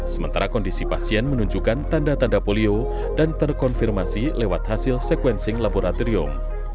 sementara kondisi pasien menunjukkan tanda tanda polio dan terkonfirmasi lewat hasil sequencing laboratorium